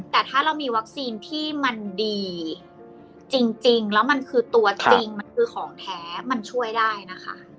แต่ถ้าเรามีวัคซีนที่มันดีจริงแล้วมันคือตัวจริงมันคือของแท้มันช่วยได้นะคะ